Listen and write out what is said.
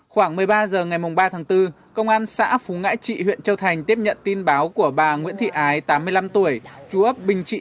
khoảng một mươi ba h ngày ba tháng bốn công an xã phú ngãi trị huyện châu thành tiếp nhận tin báo của bà nguyễn thị ái tám mươi năm tuổi chú ấp bình trị